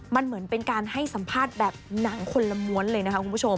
มันเหมือนเป็นการให้สัมภาษณ์แบบหนังคนละม้วนเลยนะคะคุณผู้ชม